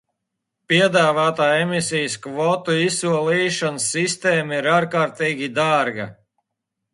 Piedāvātā emisijas kvotu izsolīšanas sistēma ir ārkārtīgi dārga.